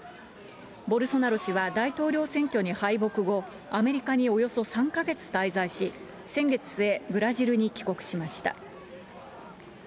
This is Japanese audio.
ボルソナロ氏は大統領選挙に敗北後、アメリカにおよそ３か月滞在し、先月末、ブラジルに帰国しました。